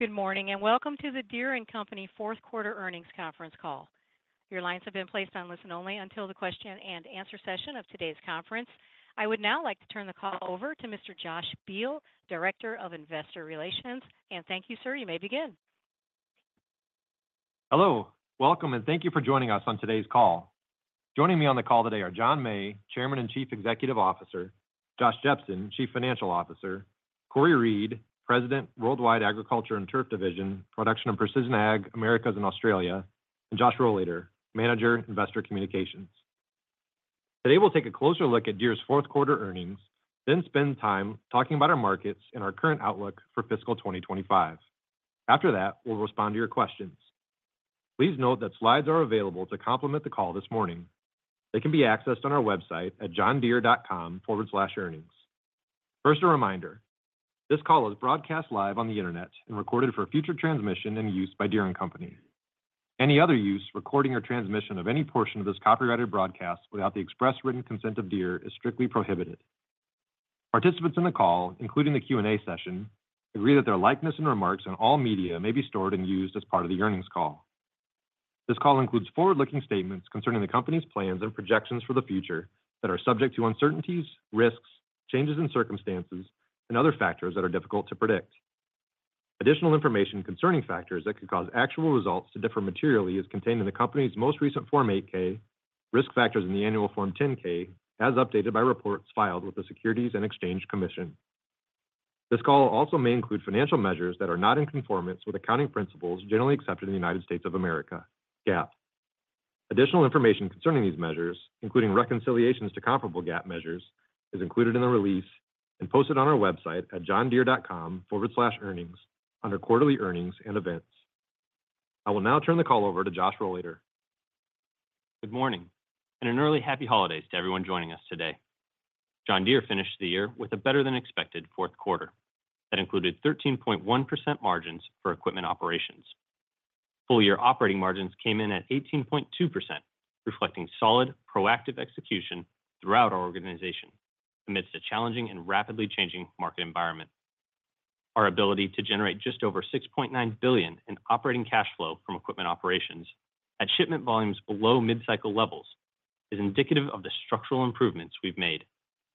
Good morning and welcome to the Deere & Company Fourth Quarter Earnings Conference call. Your lines have been placed on listen only until the question and answer session of today's conference. I would now like to turn the call over to Mr. Josh Beal, Director of Investor Relations, and thank you, sir. You may begin. Hello. Welcome and thank you for joining us on today's call. Joining me on the call today are John May, Chairman and Chief Executive Officer; Josh Jepsen, Chief Financial Officer; Cory Reed, President, Worldwide Agriculture and Turf Division, Production and Precision Ag, Americas and Australia; and Josh Rohleder, Manager of Investor Communications. Today we'll take a closer look at Deere's Fourth Quarter earnings, then spend time talking about our markets and our current outlook for fiscal 2025. After that, we'll respond to your questions. Please note that slides are available to complement the call this morning. They can be accessed on our website at johndeere.com/earnings. First, a reminder: this call is broadcast live on the internet and recorded for future transmission and use by Deere & Company. Any other use, recording, or transmission of any portion of this copyrighted broadcast without the express written consent of Deere is strictly prohibited. Participants in the call, including the Q&A session, agree that their likeness and remarks on all media may be stored and used as part of the earnings call. This call includes forward-looking statements concerning the company's plans and projections for the future that are subject to uncertainties, risks, changes in circumstances, and other factors that are difficult to predict. Additional information concerning factors that could cause actual results to differ materially is contained in the company's most recent Form 8-K, Risk Factors in the Annual Form 10-K, as updated by reports filed with the Securities and Exchange Commission. This call also may include financial measures that are not in conformance with accounting principles generally accepted in the United States of America (GAAP). Additional information concerning these measures, including reconciliations to comparable GAAP measures, is included in the release and posted on our website at johndeere.com/earnings under Quarterly Earnings and Events. I will now turn the call over to Josh Rohleder. Good morning and an early Happy Holidays to everyone joining us today. John Deere finished the year with a better-than-expected fourth quarter that included 13.1% margins for equipment operations. Full-year operating margins came in at 18.2%, reflecting solid, proactive execution throughout our organization amidst a challenging and rapidly changing market environment. Our ability to generate just over $6.9 billion in operating cash flow from equipment operations at shipment volumes below mid-cycle levels is indicative of the structural improvements we've made,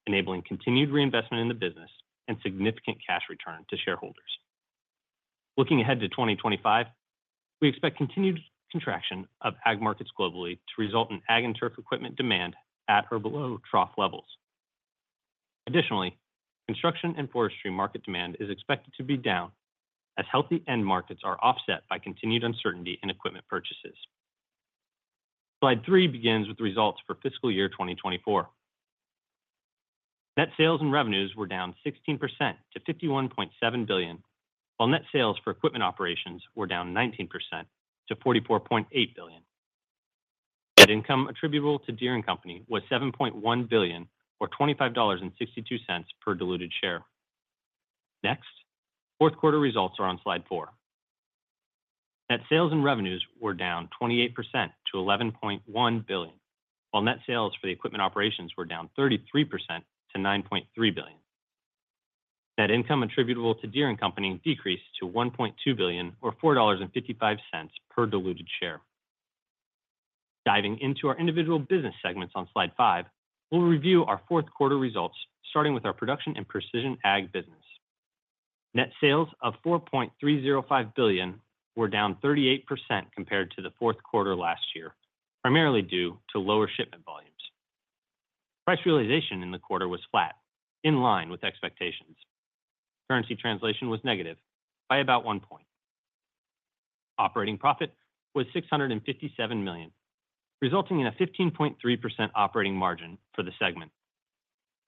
enabling continued reinvestment in the business and significant cash return to shareholders. Looking ahead to 2025, we expect continued contraction of ag markets globally to result in Ag and Turf equipment demand at or below trough levels. Additionally, Construction and Forestry market demand is expected to be down as healthy end markets are offset by continued uncertainty in equipment purchases. Slide three begins with results for fiscal year 2024. Net sales and revenues were down 16% to $51.7 billion, while net sales for equipment operations were down 19% to $44.8 billion. Net income attributable to Deere & Company was $7.1 billion, or $25.62 per diluted share. Next, fourth quarter results are on slide four. Net sales and revenues were down 28% to $11.1 billion, while net sales for the equipment operations were down 33% to $9.3 billion. Net income attributable to Deere & Company decreased to $1.2 billion, or $4.55 per diluted share. Diving into our individual business segments on slide five, we'll review our fourth quarter results starting with our production and precision Ag business. Net sales of $4.305 billion were down 38% compared to the fourth quarter last year, primarily due to lower shipment volumes. Price realization in the quarter was flat, in line with expectations. Currency translation was negative by about one point. Operating profit was $657 million, resulting in a 15.3% operating margin for the segment.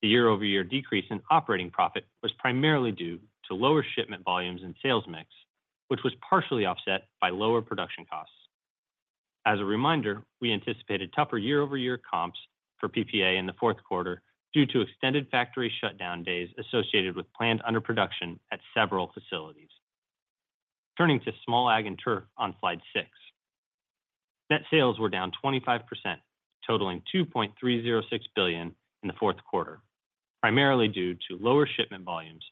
The year-over-year decrease in operating profit was primarily due to lower shipment volumes and sales mix, which was partially offset by lower production costs. As a reminder, we anticipated tougher year-over-year comps for PPA in the fourth quarter due to extended factory shutdown days associated with planned underproduction at several facilities. Turning to Small Ag and Turf on slide six, net sales were down 25%, totaling $2.306 billion in the fourth quarter, primarily due to lower shipment volumes,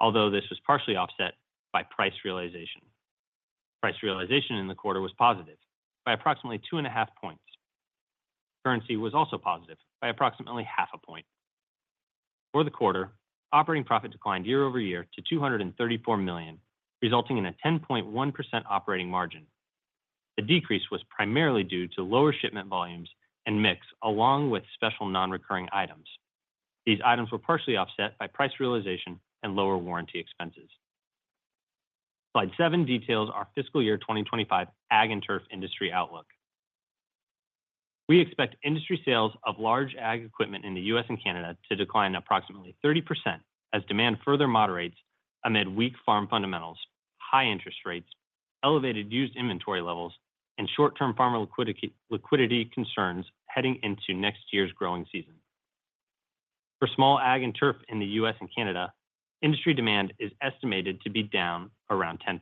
although this was partially offset by price realization. Price realization in the quarter was positive by approximately two and a half points. Currency was also positive by approximately half a point. For the quarter, operating profit declined year-over-year to $234 million, resulting in a 10.1% operating margin. The decrease was primarily due to lower shipment volumes and mix along with special non-recurring items. These items were partially offset by price realization and lower warranty expenses. Slide seven details our fiscal year 2025 Ag and Turf industry outlook. We expect industry sales of large ag equipment in the US and Canada to decline approximately 30% as demand further moderates amid weak farm fundamentals, high interest rates, elevated used inventory levels, and short-term farmer liquidity concerns heading into next year's growing season. For small Ag and Turf in the US and Canada, industry demand is estimated to be down around 10%.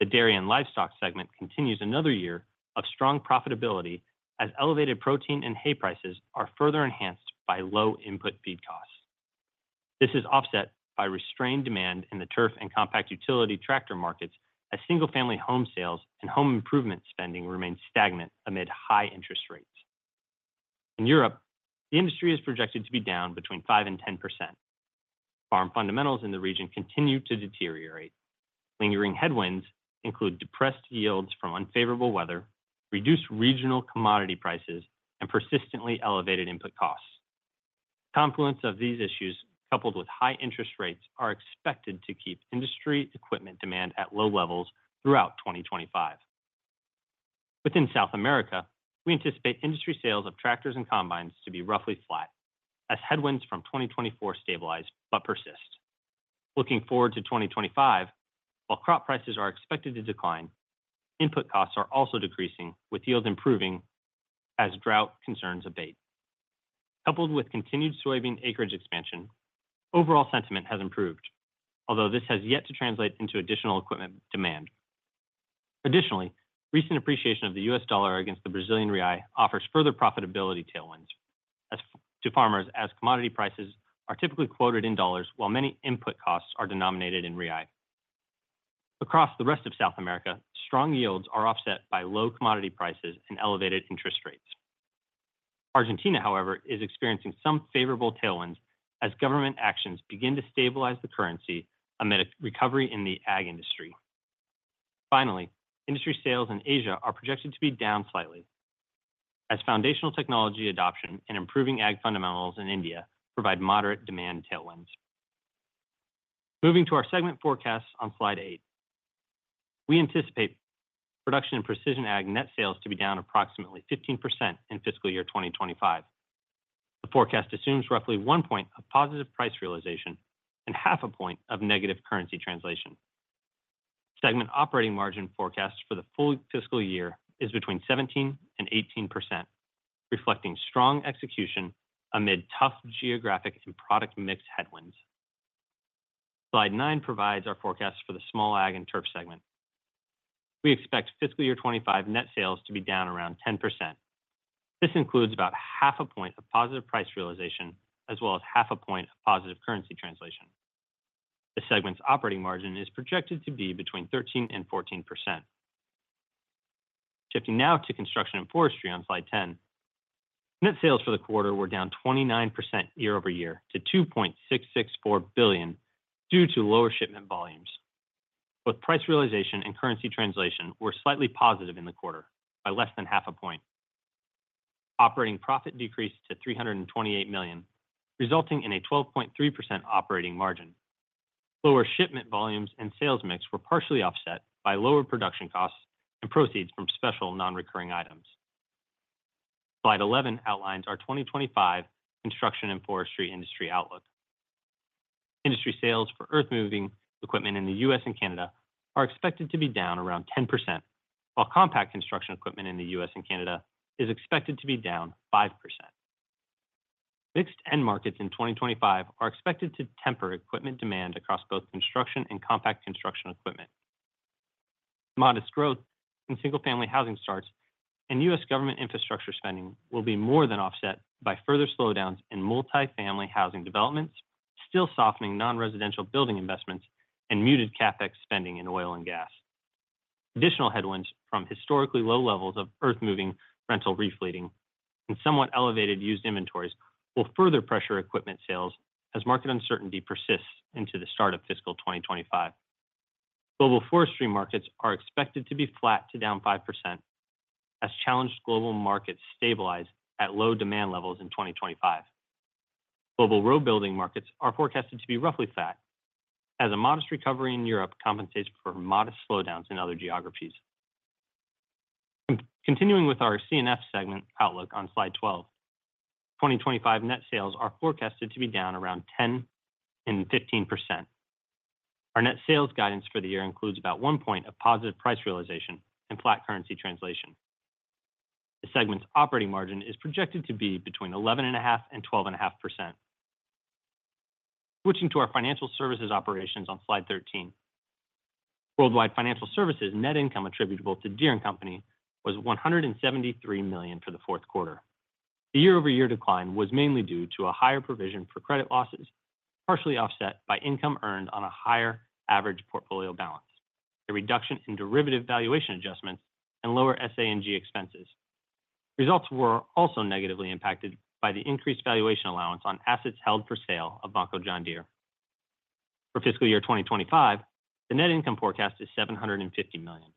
The dairy and livestock segment continues another year of strong profitability as elevated protein and hay prices are further enhanced by low input feed costs. This is offset by restrained demand in the turf and compact utility tractor markets as single-family home sales and home improvement spending remain stagnant amid high interest rates. In Europe, the industry is projected to be down between 5% and 10%. Farm fundamentals in the region continue to deteriorate. Lingering headwinds include depressed yields from unfavorable weather, reduced regional commodity prices, and persistently elevated input costs. Confluence of these issues, coupled with high interest rates, are expected to keep industry equipment demand at low levels throughout 2025. Within South America, we anticipate industry sales of tractors and combines to be roughly flat as headwinds from 2024 stabilize but persist. Looking forward to 2025, while crop prices are expected to decline, input costs are also decreasing with yields improving as drought concerns abate. Coupled with continued soybean acreage expansion, overall sentiment has improved, although this has yet to translate into additional equipment demand. Additionally, recent appreciation of the U.S. dollar against the Brazilian real offers further profitability tailwinds to farmers as commodity prices are typically quoted in dollars while many input costs are denominated in real. Across the rest of South America, strong yields are offset by low commodity prices and elevated interest rates. Argentina, however, is experiencing some favorable tailwinds as government actions begin to stabilize the currency amid a recovery in the ag industry. Finally, industry sales in Asia are projected to be down slightly as foundational technology adoption and improving ag fundamentals in India provide moderate demand tailwinds. Moving to our segment forecasts on slide eight, we anticipate production and precision ag net sales to be down approximately 15% in fiscal year 2025. The forecast assumes roughly one point of positive price realization and half a point of negative currency translation. Segment operating margin forecast for the full fiscal year is between 17% and 18%, reflecting strong execution amid tough geographic and product mix headwinds. Slide nine provides our forecast for the small Ag and Turf segment. We expect fiscal year 2025 net sales to be down around 10%. This includes about half a point of positive price realization as well as half a point of positive currency translation. The segment's operating margin is projected to be between 13% and 14%. Shifting now to construction and forestry on slide 10, net sales for the quarter were down 29% year-over-year to $2.664 billion due to lower shipment volumes. Both price realization and currency translation were slightly positive in the quarter by less than half a point. Operating profit decreased to $328 million, resulting in a 12.3% operating margin. Lower shipment volumes and sales mix were partially offset by lower production costs and proceeds from special non-recurring items. Slide 11 outlines our 2025 construction and forestry industry outlook. Industry sales for earth-moving equipment in the U.S. and Canada are expected to be down around 10%, while compact construction equipment in the U.S. and Canada is expected to be down 5%. Mixed end markets in 2025 are expected to temper equipment demand across both construction and compact construction equipment. Modest growth in single-family housing starts and U.S. government infrastructure spending will be more than offset by further slowdowns in multi-family housing developments, still softening non-residential building investments and muted CapEx spending in oil and gas. Additional headwinds from historically low levels of earth-moving rental refleeting and somewhat elevated used inventories will further pressure equipment sales as market uncertainty persists into the start of fiscal 2025. Global forestry markets are expected to be flat to down 5% as challenged global markets stabilize at low demand levels in 2025. Global road building markets are forecasted to be roughly flat as a modest recovery in Europe compensates for modest slowdowns in other geographies. Continuing with our C&F segment outlook on slide 12, 2025 net sales are forecasted to be down around 10% to 15%. Our net sales guidance for the year includes about one point of positive price realization and flat currency translation. The segment's operating margin is projected to be between 11.5% and 12.5%. Switching to our financial services operations on slide 13, worldwide financial services net income attributable to Deere & Company was $173 million for the fourth quarter. The year-over-year decline was mainly due to a higher provision for credit losses, partially offset by income earned on a higher average portfolio balance, a reduction in derivative valuation adjustments, and lower SA&G expenses. Results were also negatively impacted by the increased valuation allowance on assets held for sale of Banco John Deere. For fiscal year 2025, the net income forecast is $750 million.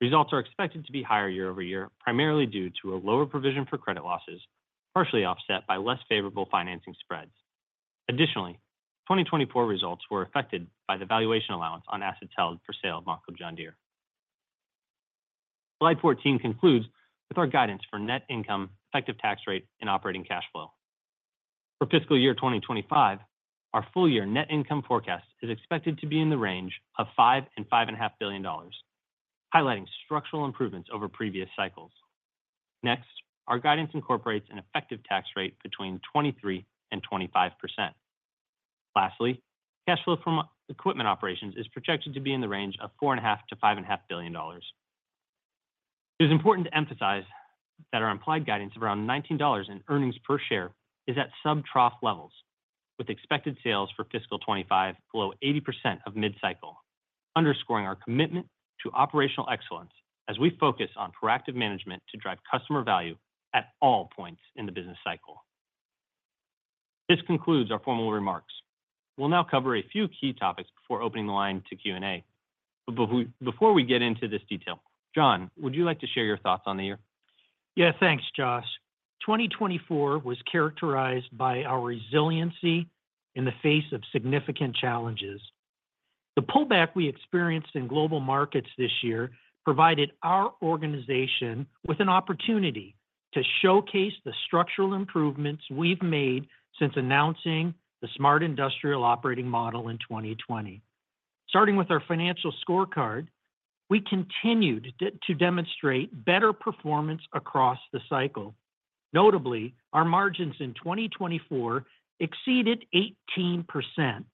Results are expected to be higher year over year, primarily due to a lower provision for credit losses, partially offset by less favorable financing spreads. Additionally, 2024 results were affected by the valuation allowance on assets held for sale of Vonco John Deere. Slide 14 concludes with our guidance for net income, effective tax rate, and operating cash flow. For fiscal year 2025, our full-year net income forecast is expected to be in the range of $5 billion and $5.5 billion, highlighting structural improvements over previous cycles. Next, our guidance incorporates an effective tax rate between 23% and 25%. Lastly, cash flow from equipment operations is projected to be in the range of $4.5 billion-$5.5 billion. It is important to emphasize that our implied guidance of around $19 in earnings per share is at subtrough levels, with expected sales for fiscal 25 below 80% of mid-cycle, underscoring our commitment to operational excellence as we focus on proactive management to drive customer value at all points in the business cycle. This concludes our formal remarks. We'll now cover a few key topics before opening the line to Q&A. But before we get into this detail, John, would you like to share your thoughts on the year? Yeah, thanks, Josh. 2024 was characterized by our resiliency in the face of significant challenges. The pullback we experienced in global markets this year provided our organization with an opportunity to showcase the structural improvements we've made since announcing the Smart Industrial operating model in 2020. Starting with our financial scorecard, we continued to demonstrate better performance across the cycle. Notably, our margins in 2024 exceeded 18%,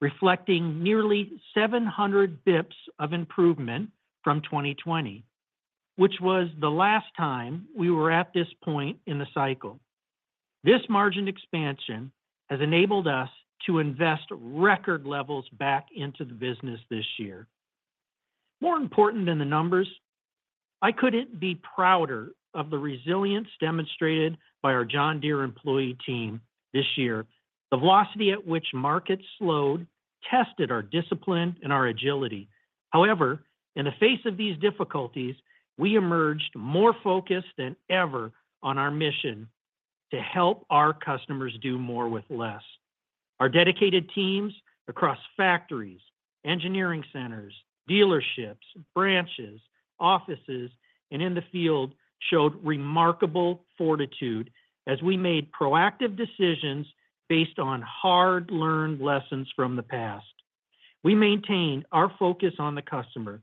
reflecting nearly 700 basis points of improvement from 2020, which was the last time we were at this point in the cycle. This margin expansion has enabled us to invest record levels back into the business this year. More important than the numbers, I couldn't be prouder of the resilience demonstrated by our John Deere employee team this year. The velocity at which markets slowed tested our discipline and our agility. However, in the face of these difficulties, we emerged more focused than ever on our mission to help our customers do more with less. Our dedicated teams across factories, engineering centers, dealerships, branches, offices, and in the field showed remarkable fortitude as we made proactive decisions based on hard-earned lessons from the past. We maintained our focus on the customer,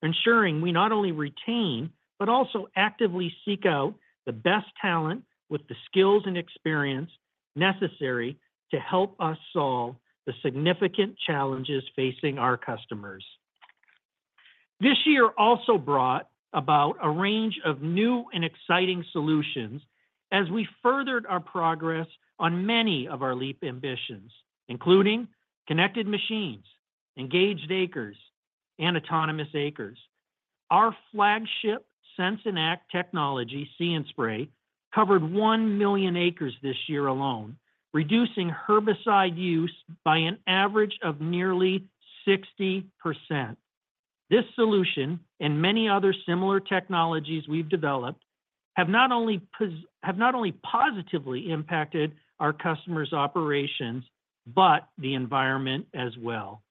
ensuring we not only retain but also actively seek out the best talent with the skills and experience necessary to help us solve the significant challenges facing our customers. This year also brought about a range of new and exciting solutions as we furthered our progress on many of our LEAP Ambitions, including connected machines, Engaged Acres, and Autonomous Acres. Our flagship Sense and Act technology, See & Spray, covered 1 million acres this year alone, reducing herbicide use by an average of nearly 60%. This solution and many other similar technologies we've developed have not only positively impacted our customers' operations, but the environment as well.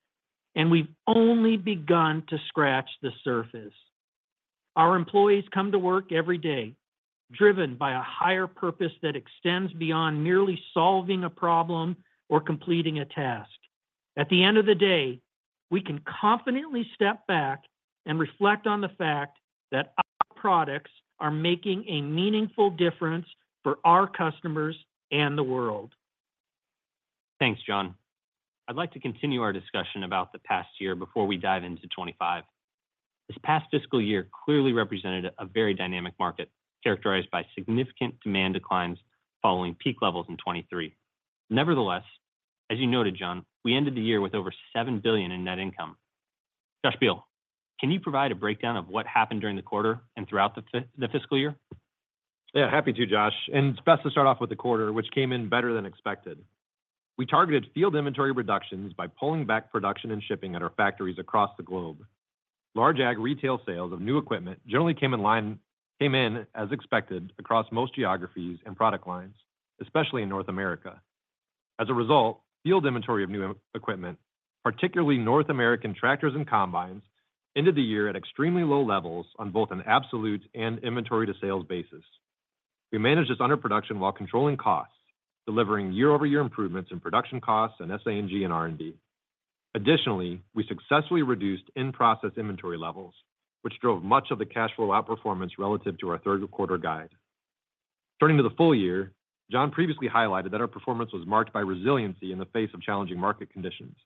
We've only begun to scratch the surface. Our employees come to work every day, driven by a higher purpose that extends beyond merely solving a problem or completing a task. At the end of the day, we can confidently step back and reflect on the fact that our products are making a meaningful difference for our customers and the world. Thanks, John. I'd like to continue our discussion about the past year before we dive into 2025. This past fiscal year clearly represented a very dynamic market characterized by significant demand declines following peak levels in 2023. Nevertheless, as you noted, John, we ended the year with over $7 billion in net income. Josh Beal, can you provide a breakdown of what happened during the quarter and throughout the fiscal year? Yeah, happy to, Josh. It's best to start off with the quarter, which came in better than expected. We targeted field inventory reductions by pulling back production and shipping at our factories across the globe. Large ag retail sales of new equipment generally came in as expected across most geographies and product lines, especially in North America. As a result, field inventory of new equipment, particularly North American tractors and combines, ended the year at extremely low levels on both an absolute and inventory-to-sales basis. We managed this underproduction while controlling costs, delivering year-over-year improvements in production costs and SA&G and R&D. Additionally, we successfully reduced in-process inventory levels, which drove much of the cash flow outperformance relative to our third-quarter guide. Turning to the full year, John previously highlighted that our performance was marked by resiliency in the face of challenging market conditions,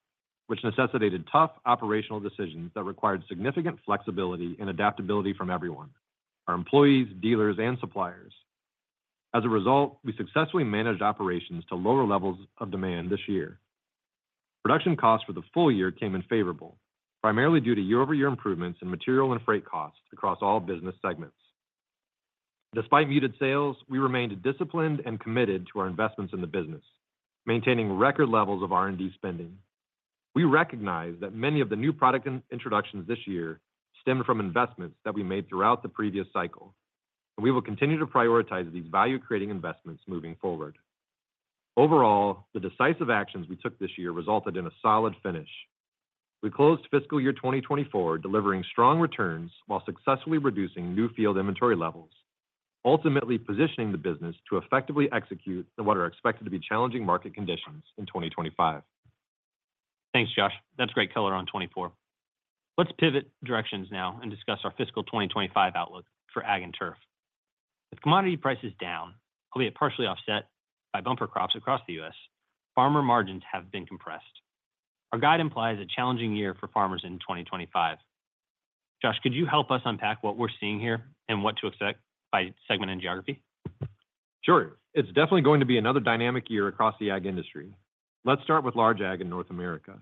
which necessitated tough operational decisions that required significant flexibility and adaptability from everyone: our employees, dealers, and suppliers. As a result, we successfully managed operations to lower levels of demand this year. Production costs for the full year came in favorable, primarily due to year-over-year improvements in material and freight costs across all business segments. Despite muted sales, we remained disciplined and committed to our investments in the business, maintaining record levels of R&D spending. We recognize that many of the new product introductions this year stemmed from investments that we made throughout the previous cycle, and we will continue to prioritize these value-creating investments moving forward. Overall, the decisive actions we took this year resulted in a solid finish. We closed fiscal year 2024 delivering strong returns while successfully reducing new field inventory levels, ultimately positioning the business to effectively execute what are expected to be challenging market conditions in 2025. Thanks, Josh. That's a great color on '24. Let's pivot directions now and discuss our fiscal 2025 outlook for ag and turf. With commodity prices down, albeit partially offset by bumper crops across the U.S., farmer margins have been compressed. Our guide implies a challenging year for farmers in 2025. Josh, could you help us unpack what we're seeing here and what to expect by segment and geography? Sure. It's definitely going to be another dynamic year across the ag industry. Let's start with large ag in North America.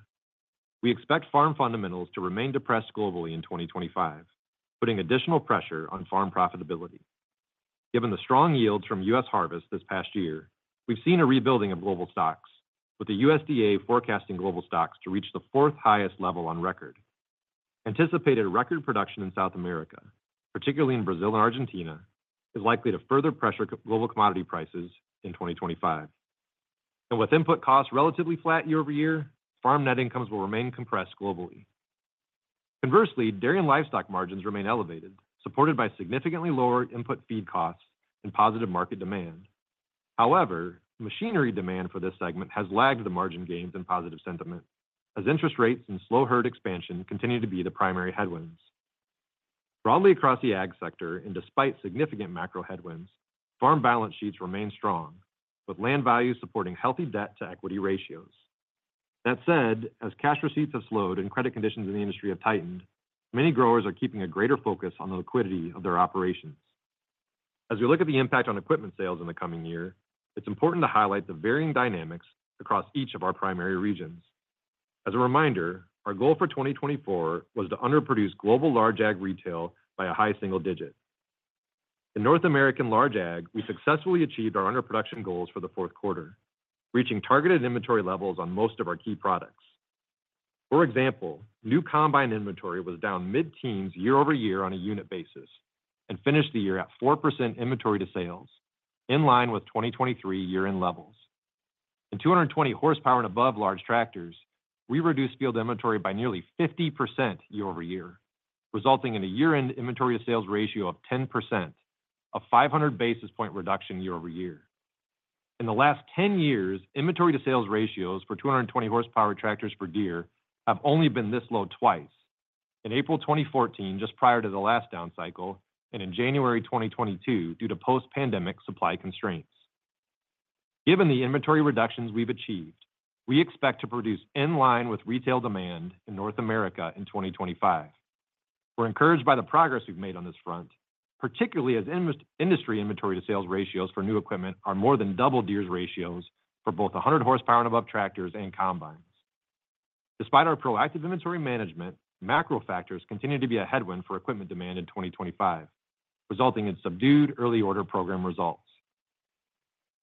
We expect farm fundamentals to remain depressed globally in 2025, putting additional pressure on farm profitability. Given the strong yields from U.S. harvests this past year, we've seen a rebuilding of global stocks, with the USDA forecasting global stocks to reach the fourth highest level on record. Anticipated record production in South America, particularly in Brazil and Argentina, is likely to further pressure global commodity prices in 2025. And with input costs relatively flat year-over-year, farm net incomes will remain compressed globally. Conversely, dairy and livestock margins remain elevated, supported by significantly lower input feed costs and positive market demand. However, machinery demand for this segment has lagged the margin gains in positive sentiment, as interest rates and slow herd expansion continue to be the primary headwinds. Broadly across the ag sector, and despite significant macro headwinds, farm balance sheets remain strong, with land values supporting healthy debt-to-equity ratios. That said, as cash receipts have slowed and credit conditions in the industry have tightened, many growers are keeping a greater focus on the liquidity of their operations. As we look at the impact on equipment sales in the coming year, it's important to highlight the varying dynamics across each of our primary regions. As a reminder, our goal for 2024 was to underproduce global large ag retail by a high single digit. In North American large ag, we successfully achieved our underproduction goals for the fourth quarter, reaching targeted inventory levels on most of our key products. For example, new combine inventory was down mid-teens year over year on a unit basis and finished the year at 4% inventory to sales, in line with 2023 year-end levels. In 220 horsepower and above large tractors, we reduced field inventory by nearly 50% year-over-year, resulting in a year-end inventory-to-sales ratio of 10%, a 500 basis point reduction year over year. In the last 10 years, inventory-to-sales ratios for 220 horsepower tractors for Deere have only been this low twice: in April 2014, just prior to the last down cycle, and in January 2022 due to post-pandemic supply constraints. Given the inventory reductions we've achieved, we expect to produce in line with retail demand in North America in 2025. We're encouraged by the progress we've made on this front, particularly as industry inventory-to-sales ratios for new equipment are more than double Deere's ratios for both 100 horsepower and above tractors and combines. Despite our proactive inventory management, macro factors continue to be a headwind for equipment demand in 2025, resulting in subdued early order program results.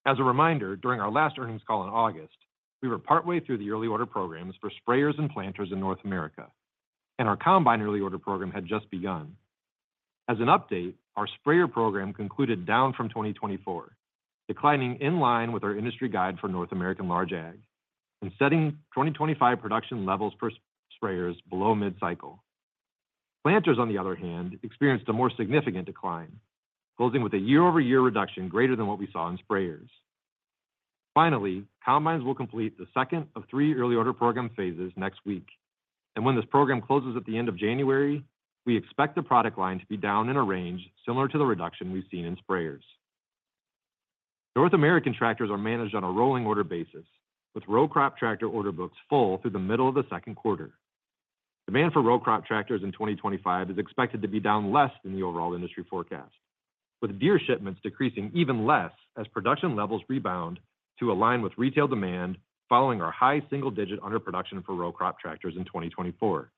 As a reminder, during our last earnings call in August, we were partway through the early order programs for sprayers and planters in North America, and our combine early order program had just begun. As an update, our sprayer program concluded down from 2024, declining in line with our industry guide for North American large ag and setting 2025 production levels per sprayers below mid-cycle. Planters, on the other hand, experienced a more significant decline, closing with a year-over-year reduction greater than what we saw in sprayers. Finally, combines will complete the second of three early order program phases next week. And when this program closes at the end of January, we expect the product line to be down in a range similar to the reduction we've seen in sprayers. North American tractors are managed on a rolling order basis, with row crop tractor order books full through the middle of the second quarter. Demand for row crop tractors in 2025 is expected to be down less than the overall industry forecast, with Deere shipments decreasing even less as production levels rebound to align with retail demand following our high single-digit underproduction for row crop tractors in 2024.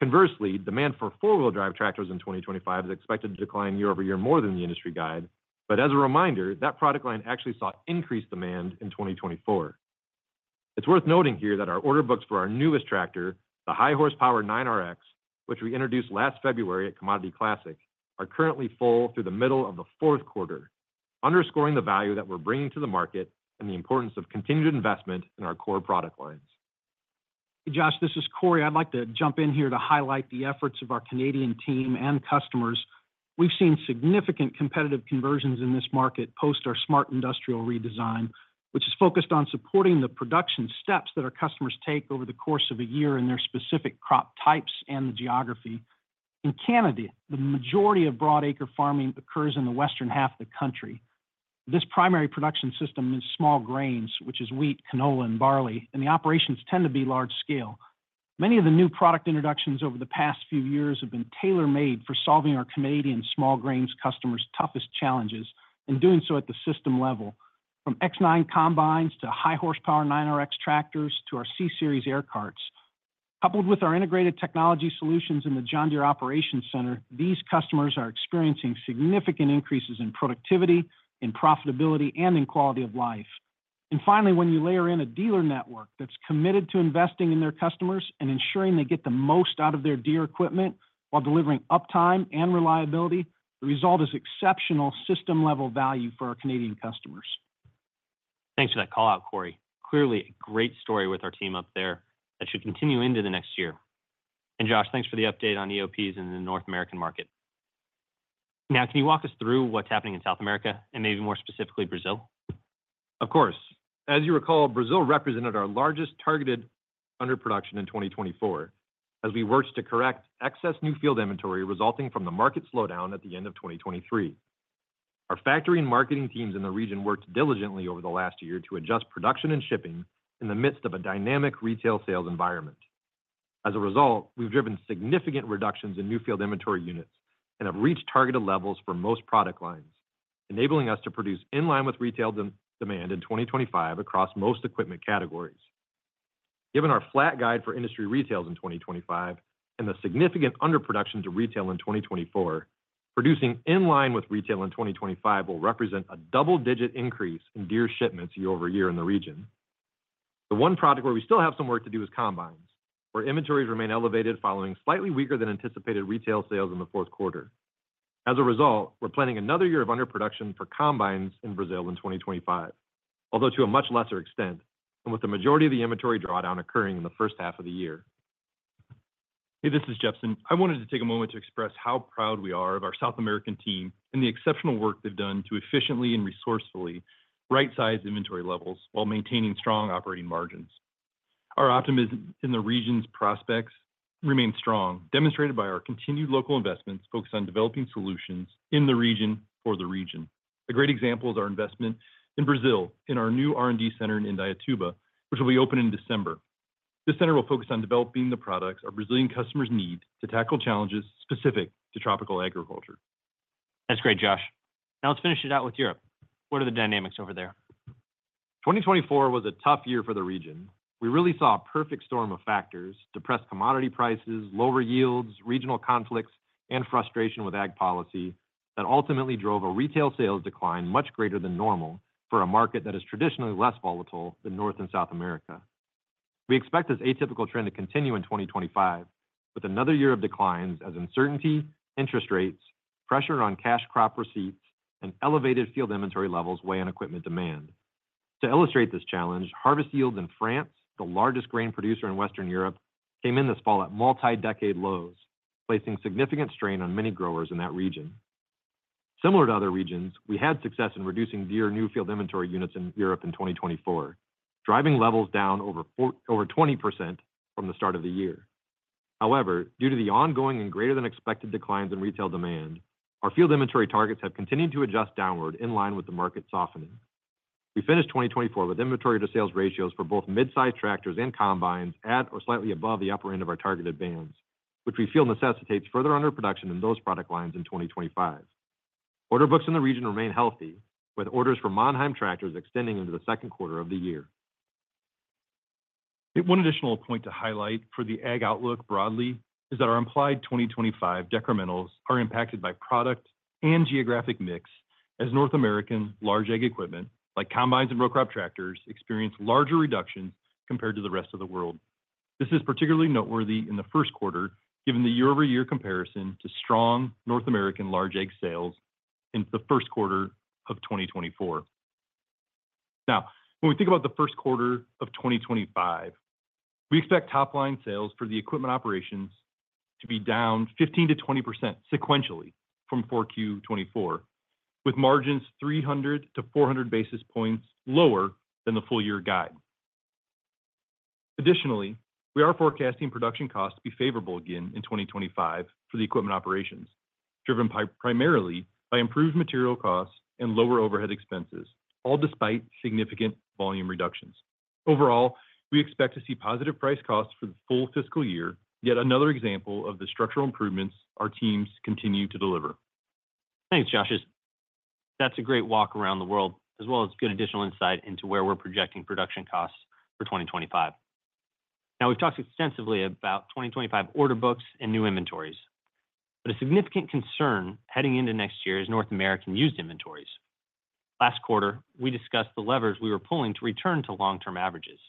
Conversely, demand for four-wheel drive tractors in 2025 is expected to decline year over year more than the industry guide, but as a reminder, that product line actually saw increased demand in 2024. It's worth noting here that our order books for our newest tractor, the high-horsepower 9RX, which we introduced last February at Commodity Classic, are currently full through the middle of the fourth quarter, underscoring the value that we're bringing to the market and the importance of continued investment in our core product lines. Hey, Josh, this is Cory. I'd like to jump in here to highlight the efforts of our Canadian team and customers. We've seen significant competitive conversions in this market post our Smart Industrial redesign, which is focused on supporting the production steps that our customers take over the course of a year in their specific crop types and the geography. In Canada, the majority of broad acre farming occurs in the western half of the country. This primary production system is small grains, which is wheat, canola, and barley, and the operations tend to be large scale. Many of the new product introductions over the past few years have been tailor-made for solving our Canadian small grains customers' toughest challenges and doing so at the system level, from X9 combines to high-horsepower 9RX tractors to our C-Series air carts. Coupled with our integrated technology solutions in the John Deere Operations Center, these customers are experiencing significant increases in productivity, in profitability, and in quality of life. And finally, when you layer in a dealer network that's committed to investing in their customers and ensuring they get the most out of their Deere equipment while delivering uptime and reliability, the result is exceptional system-level value for our Canadian customers. Thanks for that call-out, Cory. Clearly, a great story with our team up there that should continue into the next year. And Josh, thanks for the update on EOPs in the North American market. Now, can you walk us through what's happening in South America and maybe more specifically Brazil? Of course. As you recall, Brazil represented our largest targeted underproduction in 2024 as we worked to correct excess new field inventory resulting from the market slowdown at the end of 2023. Our factory and marketing teams in the region worked diligently over the last year to adjust production and shipping in the midst of a dynamic retail sales environment. As a result, we've driven significant reductions in new field inventory units and have reached targeted levels for most product lines, enabling us to produce in line with retail demand in 2025 across most equipment categories. Given our flat guide for industry retails in 2025 and the significant underproduction to retail in 2024, producing in line with retail in 2025 will represent a double-digit increase in Deere shipments year over year in the region. The one product where we still have some work to do is combines, where inventories remain elevated following slightly weaker-than-anticipated retail sales in the fourth quarter. As a result, we're planning another year of underproduction for combines in Brazil in 2025, although to a much lesser extent, and with the majority of the inventory drawdown occurring in the first half of the year. Hey, this is Jepsen. I wanted to take a moment to express how proud we are of our South American team and the exceptional work they've done to efficiently and resourcefully right-size inventory levels while maintaining strong operating margins. Our optimism in the region's prospects remains strong, demonstrated by our continued local investments focused on developing solutions in the region for the region. A great example is our investment in Brazil in our new R&D center in Indaiatuba, which will be open in December. This center will focus on developing the products our Brazilian customers need to tackle challenges specific to tropical agriculture. That's great, Josh. Now, let's finish it out with Europe. What are the dynamics over there? 2024 was a tough year for the region. We really saw a perfect storm of factors: depressed commodity prices, lower yields, regional conflicts, and frustration with ag policy that ultimately drove a retail sales decline much greater than normal for a market that is traditionally less volatile than North and South America. We expect this atypical trend to continue in 2025, with another year of declines as uncertainty, interest rates, pressure on cash crop receipts, and elevated field inventory levels weigh on equipment demand. To illustrate this challenge, harvest yields in France, the largest grain producer in Western Europe, came in this fall at multi-decade lows, placing significant strain on many growers in that region. Similar to other regions, we had success in reducing Deere new field inventory units in Europe in 2024, driving levels down over 20% from the start of the year. However, due to the ongoing and greater-than-expected declines in retail demand, our field inventory targets have continued to adjust downward in line with the market softening. We finished 2024 with inventory-to-sales ratios for both mid-size tractors and combines at or slightly above the upper end of our targeted bands, which we feel necessitates further underproduction in those product lines in 2025. Order books in the region remain healthy, with orders for Mannheim tractors extending into the second quarter of the year. One additional point to highlight for the ag outlook broadly is that our implied 2025 decrementals are impacted by product and geographic mix as North American large ag equipment, like combines and row crop tractors, experience larger reductions compared to the rest of the world. This is particularly noteworthy in the first quarter, given the year-over-year comparison to strong North American large ag sales in the first quarter of 2024. Now, when we think about the first quarter of 2025, we expect top-line sales for the equipment operations to be down 15%-20% sequentially from 4Q24, with margins 300-400 basis points lower than the full-year guide. Additionally, we are forecasting production costs to be favorable again in 2025 for the equipment operations, driven primarily by improved material costs and lower overhead expenses, all despite significant volume reductions. Overall, we expect to see positive price costs for the full fiscal year, yet another example of the structural improvements our teams continue to deliver. Thanks, Josh. That's a great walk around the world, as well as good additional insight into where we're projecting production costs for 2025. Now, we've talked extensively about 2025 order books and new inventories, but a significant concern heading into next year is North American used inventories. Last quarter, we discussed the levers we were pulling to return to long-term averages.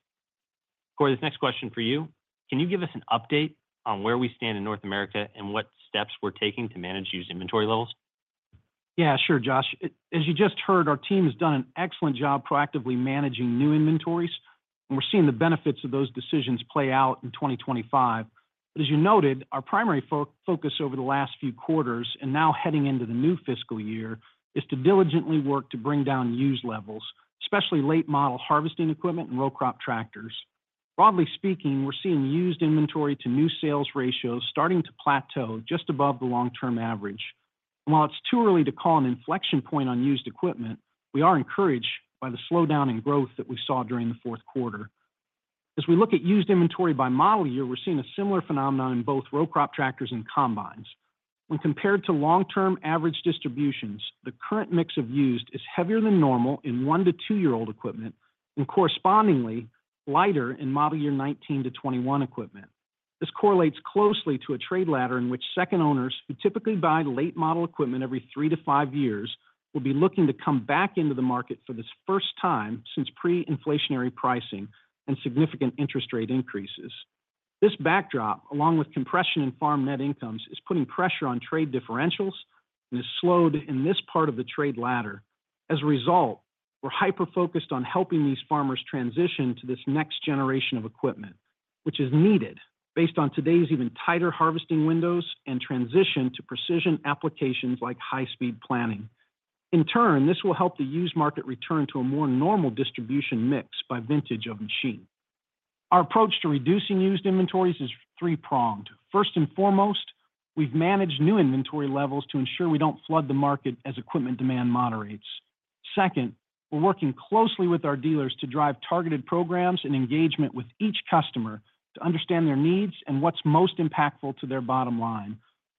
Cory, this next question for you. Can you give us an update on where we stand in North America and what steps we're taking to manage used inventory levels? Yeah, sure, Josh. As you just heard, our team has done an excellent job proactively managing new inventories, and we're seeing the benefits of those decisions play out in 2025. But as you noted, our primary focus over the last few quarters and now heading into the new fiscal year is to diligently work to bring down used levels, especially late-model harvesting equipment and row crop tractors. Broadly speaking, we're seeing used inventory to new sales ratios starting to plateau just above the long-term average. And while it's too early to call an inflection point on used equipment, we are encouraged by the slowdown in growth that we saw during the fourth quarter. As we look at used inventory by model year, we're seeing a similar phenomenon in both row crop tractors and combines. When compared to long-term average distributions, the current mix of used is heavier than normal in one to two-year-old equipment and correspondingly lighter in model year 2019-2021 equipment. This correlates closely to a trade ladder in which second owners who typically buy late-model equipment every three to five years will be looking to come back into the market for the first time since pre-inflationary pricing and significant interest rate increases. This backdrop, along with compression in farm net incomes, is putting pressure on trade differentials and has slowed in this part of the trade ladder. As a result, we're hyper-focused on helping these farmers transition to the next generation of equipment, which is needed based on today's even tighter harvesting windows and transition to precision applications like high-speed planting. In turn, this will help the used market return to a more normal distribution mix by vintage of machine. Our approach to reducing used inventories is three-pronged. First and foremost, we've managed new inventory levels to ensure we don't flood the market as equipment demand moderates. Second, we're working closely with our dealers to drive targeted programs and engagement with each customer to understand their needs and what's most impactful to their bottom line.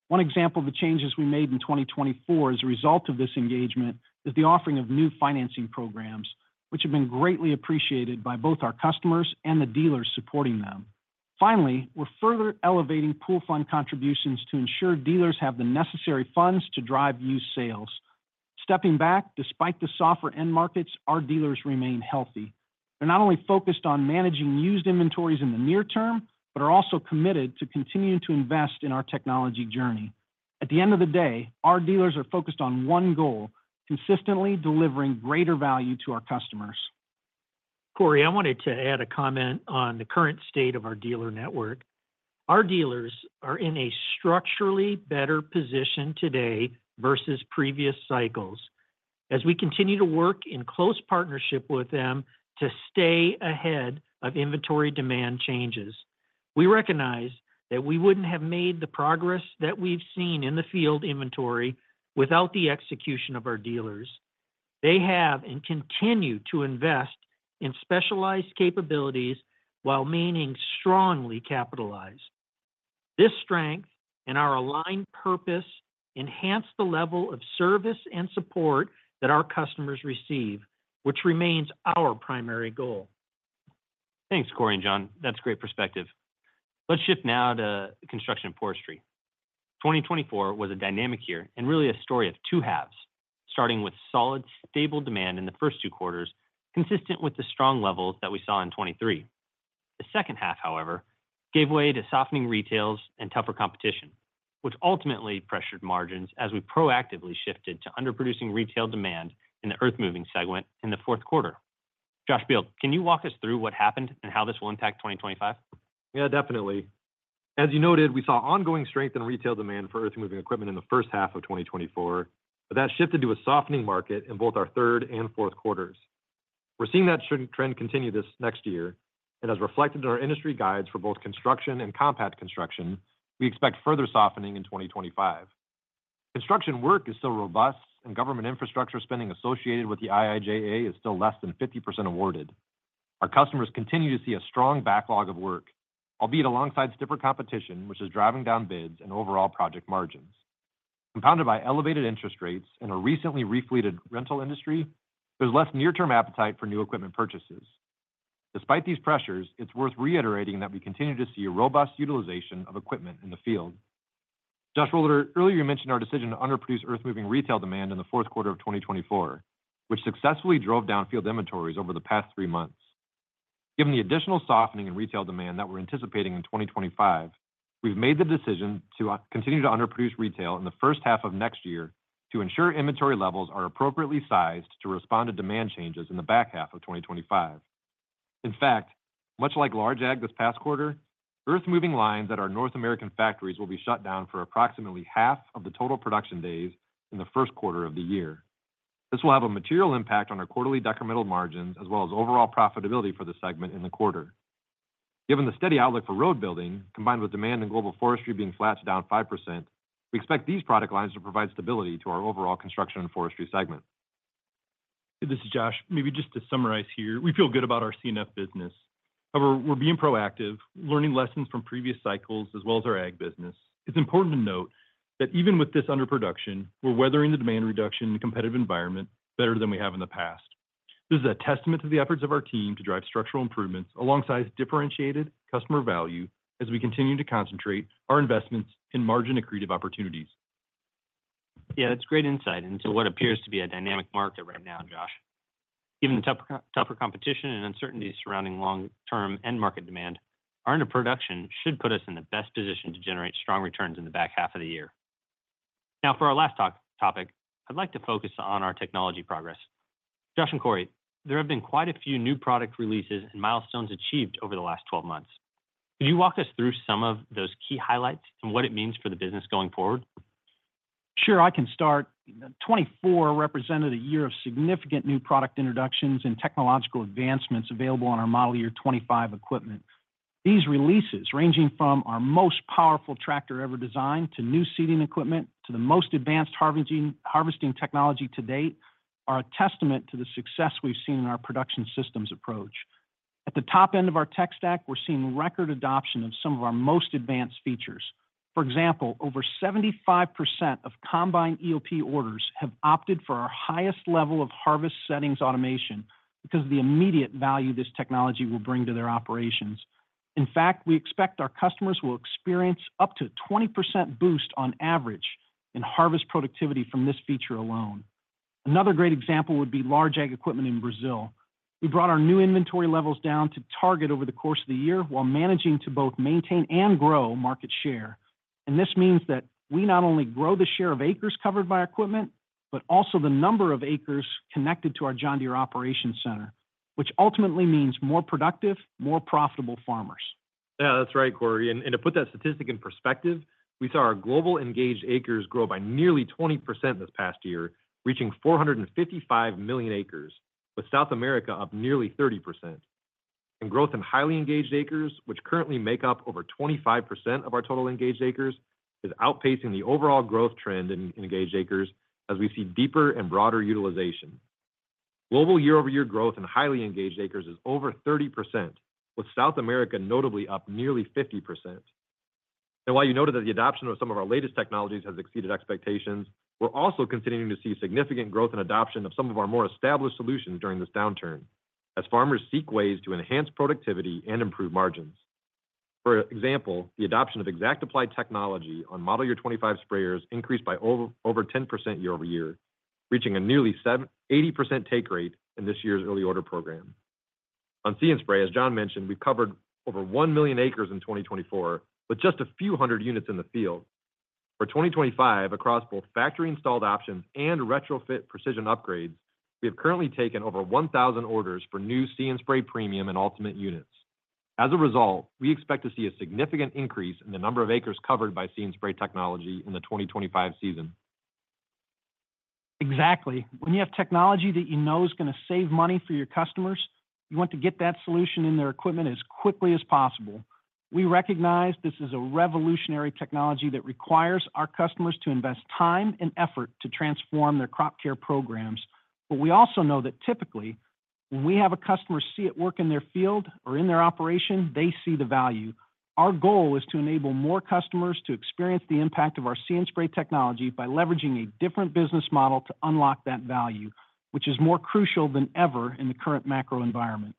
One example of the changes we made in 2024 as a result of this engagement is the offering of new financing programs, which have been greatly appreciated by both our customers and the dealers supporting them. Finally, we're further elevating pool fund contributions to ensure dealers have the necessary funds to drive used sales. Stepping back, despite the softer end markets, our dealers remain healthy. They're not only focused on managing used inventories in the near term, but are also committed to continuing to invest in our technology journey. At the end of the day, our dealers are focused on one goal: consistently delivering greater value to our customers. Cory, I wanted to add a comment on the current state of our dealer network. Our dealers are in a structurally better position today versus previous cycles as we continue to work in close partnership with them to stay ahead of inventory demand changes. We recognize that we wouldn't have made the progress that we've seen in the field inventory without the execution of our dealers. They have and continue to invest in specialized capabilities while remaining strongly capitalized. This strength and our aligned purpose enhance the level of service and support that our customers receive, which remains our primary goal. Thanks, Cory and John. That's a great perspective. Let's shift now to construction and forestry. 2024 was a dynamic year and really a story of two halves, starting with solid, stable demand in the first two quarters, consistent with the strong levels that we saw in 2023. The second half, however, gave way to softening retail and tougher competition, which ultimately pressured margins as we proactively shifted to underproducing retail demand in the earth-moving segment in the fourth quarter. Josh Beal, can you walk us through what happened and how this will impact 2025? Yeah, definitely. As you noted, we saw ongoing strength in retail demand for earth-moving equipment in the first half of 2024, but that shifted to a softening market in both our third and fourth quarters. We're seeing that trend continue this next year, and as reflected in our industry guides for both construction and compact construction, we expect further softening in 2025. Construction work is still robust, and government infrastructure spending associated with the IIJA is still less than 50% awarded. Our customers continue to see a strong backlog of work, albeit alongside stiffer competition, which is driving down bids and overall project margins. Compounded by elevated interest rates and a recently refleeted rental industry, there's less near-term appetite for new equipment purchases. Despite these pressures, it's worth reiterating that we continue to see a robust utilization of equipment in the field. Josh Beal, earlier you mentioned our decision to underproduce earth-moving retail demand in the fourth quarter of 2024, which successfully drove down field inventories over the past three months. Given the additional softening in retail demand that we're anticipating in 2025, we've made the decision to continue to underproduce retail in the first half of next year to ensure inventory levels are appropriately sized to respond to demand changes in the back half of 2025. In fact, much like large ag this past quarter, earth-moving lines at our North American factories will be shut down for approximately half of the total production days in the first quarter of the year. This will have a material impact on our quarterly decremental margins as well as overall profitability for the segment in the quarter. Given the steady outlook for road building, combined with demand in global forestry being flattened down 5%, we expect these product lines to provide stability to our overall construction and forestry segment. This is Josh. Maybe just to summarize here, we feel good about our C&F business. However, we're being proactive, learning lessons from previous cycles as well as our ag business. It's important to note that even with this underproduction, we're weathering the demand reduction in a competitive environment better than we have in the past. This is a testament to the efforts of our team to drive structural improvements alongside differentiated customer value as we continue to concentrate our investments in margin-accretive opportunities. Yeah, that's great insight into what appears to be a dynamic market right now, Josh. Even the tougher competition and uncertainties surrounding long-term end market demand our underproduction should put us in the best position to generate strong returns in the back half of the year. Now, for our last topic, I'd like to focus on our technology progress. Josh and Cory, there have been quite a few new product releases and milestones achieved over the last 12 months. Could you walk us through some of those key highlights and what it means for the business going forward? Sure, I can start. 2024 represented a year of significant new product introductions and technological advancements available on our model year 2025 equipment. These releases, ranging from our most powerful tractor ever designed to new seeding equipment to the most advanced harvesting technology to date, are a testament to the success we've seen in our production systems approach. At the top end of our tech stack, we're seeing record adoption of some of our most advanced features. For example, over 75% of combine EOP orders have opted for our highest level of Harvest Settings Automation because of the immediate value this technology will bring to their operations. In fact, we expect our customers will experience up to a 20% boost on average in harvest productivity from this feature alone. Another great example would be large ag equipment in Brazil. We brought our new inventory levels down to target over the course of the year while managing to both maintain and grow market share. And this means that we not only grow the share of acres covered by equipment, but also the number of acres connected to our John Deere Operations Center, which ultimately means more productive, more profitable farmers. Yeah, that's right, Cory. And to put that statistic in perspective, we saw our global Engaged Acres grow by nearly 20% this past year, reaching 455 million acres, with South America up nearly 30%. And growth in highly engaged acres, which currently make up over 25% of our total engaged acres, is outpacing the overall growth trend in engaged acres as we see deeper and broader utilization. Global year-over-year growth in highly engaged acres is over 30%, with South America notably up nearly 50%. And while you noted that the adoption of some of our latest technologies has exceeded expectations, we're also continuing to see significant growth and adoption of some of our more established solutions during this downturn as farmers seek ways to enhance productivity and improve margins. For example, the adoption of ExactApply technology on model year 2025 sprayers increased by over 10% year-over-year, reaching a nearly 80% take rate in this year's early order program. On See and Spray, as John mentioned, we've covered over 1 million acres in 2024 with just a few hundred units in the field. For 2025, across both factory-installed options and retrofit precision upgrades, we have currently taken over 1,000 orders for new See & Spray premium and ultimate units. As a result, we expect to see a significant increase in the number of acres covered by See & Spray technology in the 2025 season. Exactly. When you have technology that you know is going to save money for your customers, you want to get that solution in their equipment as quickly as possible. We recognize this is a revolutionary technology that requires our customers to invest time and effort to transform their crop care programs. But we also know that typically, when we have a customer see it work in their field or in their operation, they see the value. Our goal is to enable more customers to experience the impact of our See and Spray technology by leveraging a different business model to unlock that value, which is more crucial than ever in the current macro environment.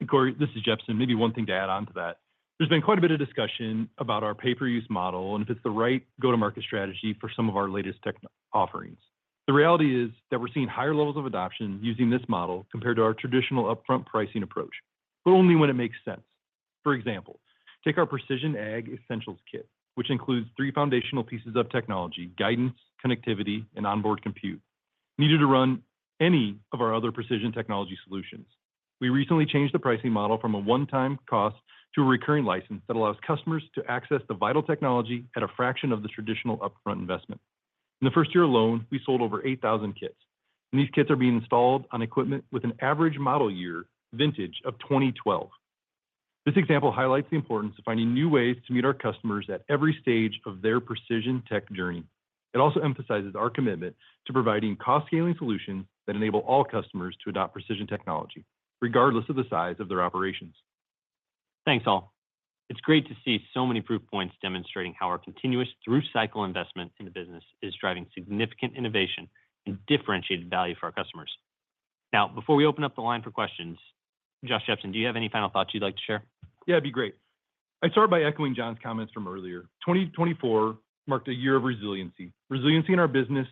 And, Cory, this is Jepsen. Maybe one thing to add on to that. There's been quite a bit of discussion about our pay-per-use model and if it's the right go-to-market strategy for some of our latest tech offerings. The reality is that we're seeing higher levels of adoption using this model compared to our traditional upfront pricing approach, but only when it makes sense. For example, take our Precision Ag Essentials kit, which includes three foundational pieces of technology: guidance, connectivity, and onboard compute, needed to run any of our other precision technology solutions. We recently changed the pricing model from a one-time cost to a recurring license that allows customers to access the vital technology at a fraction of the traditional upfront investment. In the first year alone, we sold over 8,000 kits, and these kits are being installed on equipment with an average model year vintage of 2012. This example highlights the importance of finding new ways to meet our customers at every stage of their precision tech journey. It also emphasizes our commitment to providing cost-scaling solutions that enable all customers to adopt precision technology, regardless of the size of their operations. Thanks, all. It's great to see so many proof points demonstrating how our continuous through-cycle investment in the business is driving significant innovation and differentiated value for our customers. Now, before we open up the line for questions, Josh Jepsen, do you have any final thoughts you'd like to share? Yeah, it'd be great. I'd start by echoing John's comments from earlier. 2024 marked a year of resiliency, resiliency in our business,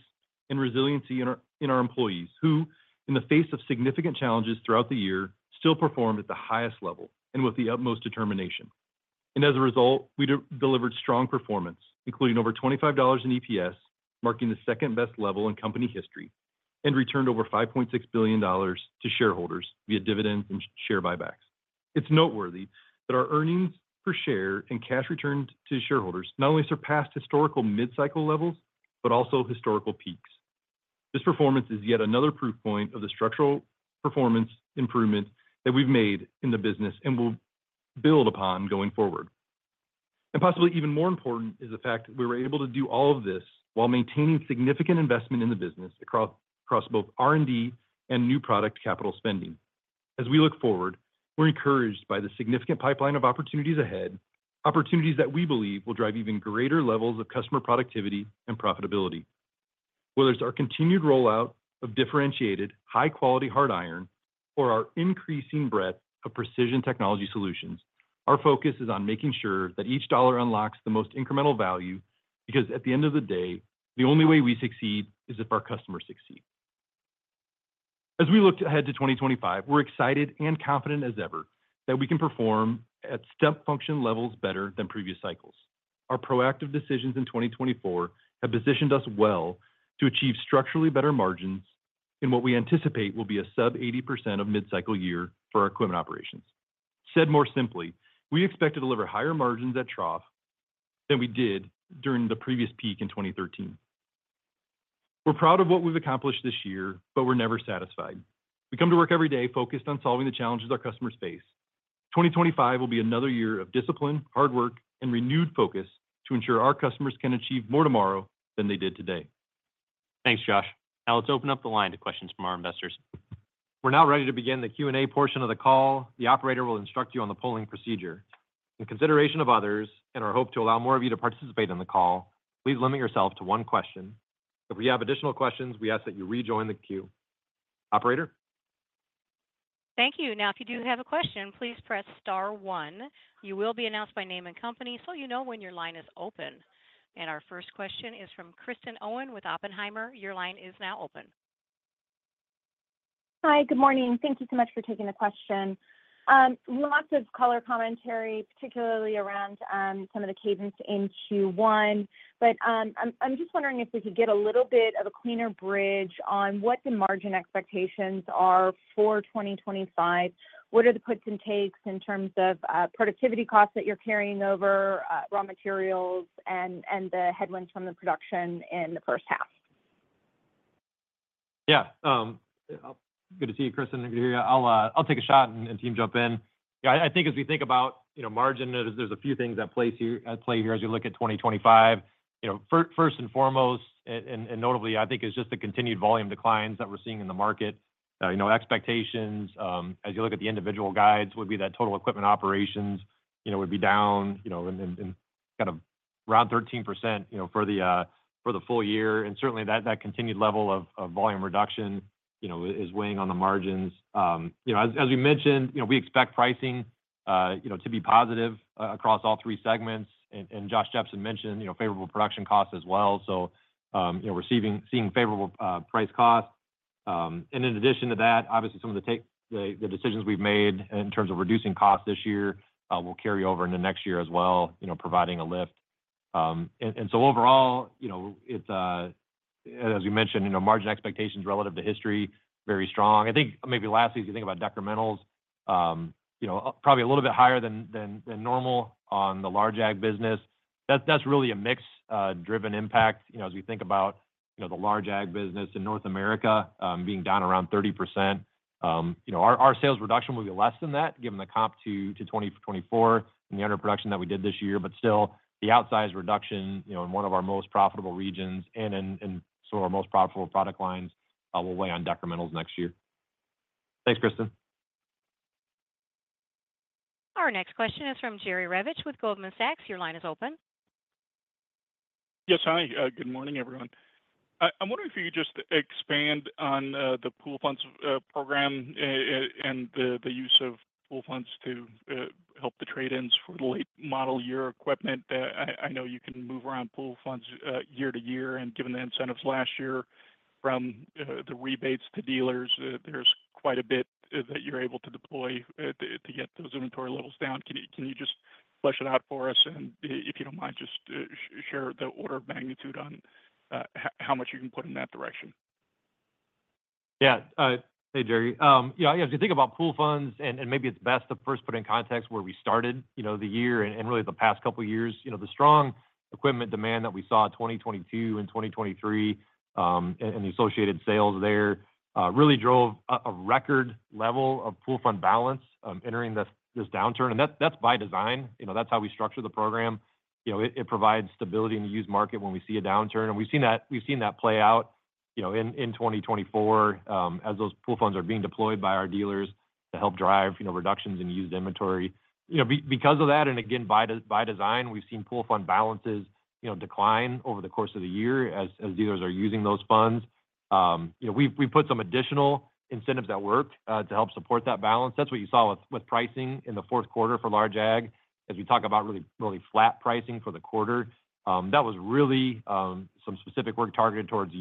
and resiliency in our employees, who, in the face of significant challenges throughout the year, still performed at the highest level and with the utmost determination. As a result, we delivered strong performance, including over $25 in EPS, marking the second-best level in company history, and returned over $5.6 billion to shareholders via dividends and share buybacks. It's noteworthy that our earnings per share and cash return to shareholders not only surpassed historical mid-cycle levels, but also historical peaks. This performance is yet another proof point of the structural performance improvement that we've made in the business and will build upon going forward. Possibly even more important is the fact that we were able to do all of this while maintaining significant investment in the business across both R&D and new product capital spending. As we look forward, we're encouraged by the significant pipeline of opportunities ahead, opportunities that we believe will drive even greater levels of customer productivity and profitability. Whether it's our continued rollout of differentiated, high-quality hard iron or our increasing breadth of precision technology solutions, our focus is on making sure that each dollar unlocks the most incremental value because at the end of the day, the only way we succeed is if our customers succeed. As we look ahead to 2025, we're excited and confident as ever that we can perform at step function levels better than previous cycles. Our proactive decisions in 2024 have positioned us well to achieve structurally better margins in what we anticipate will be a sub-80% of mid-cycle year for our equipment operations. Said more simply, we expect to deliver higher margins at trough than we did during the previous peak in 2013. We're proud of what we've accomplished this year, but we're never satisfied. We come to work every day focused on solving the challenges our customers face. 2025 will be another year of discipline, hard work, and renewed focus to ensure our customers can achieve more tomorrow than they did today. Thanks, Josh. Now, let's open up the line to questions from our investors. We're now ready to begin the Q&A portion of the call. The operator will instruct you on the polling procedure. In consideration of others and our hope to allow more of you to participate in the call, please limit yourself to one question. If we have additional questions, we ask that you rejoin the queue. Operator? Thank you. Now, if you do have a question, please press star one. You will be announced by name and company so you know when your line is open. And our first question is from Kristen Owen with Oppenheimer. Your line is now open. Hi, good morning. Thank you so much for taking the question. Lots of color commentary, particularly around some of the cadence in Q1, but I'm just wondering if we could get a little bit of a cleaner bridge on what the margin expectations are for 2025. What are the puts and takes in terms of productivity costs that you're carrying over raw materials and the headwinds from the production in the first half? Yeah. Good to see you, Kristen. Good to hear you. I'll take a shot and team jump in. I think as we think about margin, there's a few things at play here as we look at 2025. First and foremost, and notably, I think it's just the continued volume declines that we're seeing in the market. Expectations, as you look at the individual guides, would be that total equipment operations would be down kind of around 13% for the full year. Certainly, that continued level of volume reduction is weighing on the margins. As we mentioned, we expect pricing to be positive across all three segments. Josh Jepsen mentioned favorable production costs as well. We're seeing favorable price costs. In addition to that, obviously, some of the decisions we've made in terms of reducing costs this year will carry over into next year as well, providing a lift. Overall, as we mentioned, margin expectations relative to history are very strong. I think maybe lastly, as you think about decremental, probably a little bit higher than normal on the large ag business. That's really a mix-driven impact as we think about the large ag business in North America being down around 30%. Our sales reduction will be less than that given the comp to 2024 and the underproduction that we did this year. But still, the outsize reduction in one of our most profitable regions and in some of our most profitable product lines will weigh on decrementals next year. Thanks, Kristen. Our next question is from Jerry Revich with Goldman Sachs. Your line is open. Yes, hi. Good morning, everyone. I'm wondering if you could just expand on the pool funds program and the use of pool funds to help the trade-ins for the late model year equipment. I know you can move around pool funds year to year. And given the incentives last year from the rebates to dealers, there's quite a bit that you're able to deploy to get those inventory levels down. Can you just flesh it out for us? And if you don't mind, just share the order of magnitude on how much you can put in that direction. Yeah. Hey, Jerry. As you think about pool funds, and maybe it's best to first put in context where we started the year and really the past couple of years, the strong equipment demand that we saw in 2022 and 2023 and the associated sales there really drove a record level of pool fund balance entering this downturn. And that's by design. That's how we structure the program. It provides stability in the used market when we see a downturn. And we've seen that play out in 2024 as those pool funds are being deployed by our dealers to help drive reductions in used inventory. Because of that, and again, by design, we've seen pool fund balances decline over the course of the year as dealers are using those funds. We've put some additional incentives at work to help support that balance. That's what you saw with pricing in the fourth quarter for large ag. As we talk about really flat pricing for the quarter, that was really some specific work targeted towards